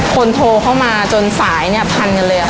โทรเข้ามาจนสายเนี่ยพันกันเลยค่ะ